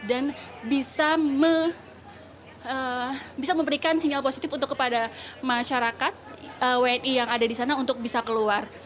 dan bisa memberikan sinyal positif kepada masyarakat wni yang ada di sana untuk bisa keluar